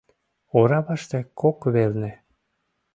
Ораваште кок велне